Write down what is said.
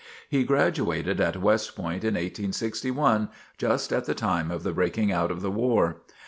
He graduated at West Point, in 1861, just at the time of the breaking out of the war.